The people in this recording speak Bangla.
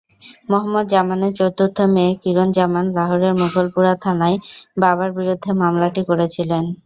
মোহাম্মদ জামানের চতুর্থ মেয়ে কিরণ জামান লাহোরের মুঘলপুরা থানায় বাবার বিরুদ্ধে মামলাটি করেছিলেন।